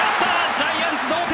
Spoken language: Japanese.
ジャイアンツ同点！